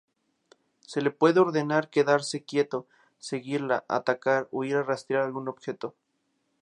Se le puede ordenar quedarse quieto, seguirla, atacar o ir a rastrear algún objeto.